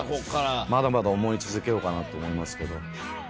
まだまだ思い続けようかなと思いますけど。